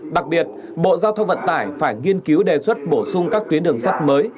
đặc biệt bộ giao thông vận tải phải nghiên cứu đề xuất bổ sung các tuyến đường sắt mới